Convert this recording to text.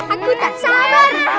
aku tak sabar